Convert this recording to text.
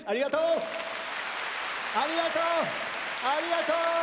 ありがとう！